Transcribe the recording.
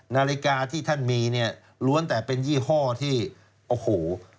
นาฬิกาที่ท่านมีเนี่ยล้วนแต่เป็นยี่ห้อที่โอ้โห